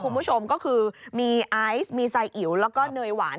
คุณผู้ชมก็คือมีไอซ์มีไซอิ๋วแล้วก็เนยหวาน